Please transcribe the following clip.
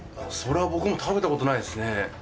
それは僕も食べたことないですね。